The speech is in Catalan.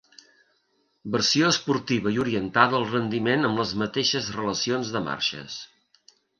Versió esportiva i orientada al rendiment amb les mateixes relacions de marxes.